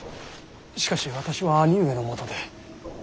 しかし私は兄上のもとで。